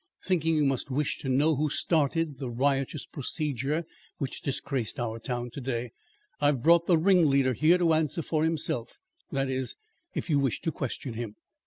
"Thinking you must wish to know who started the riotous procedure which disgraced our town to day, I have brought the ringleader here to answer for himself that is, if you wish to question him."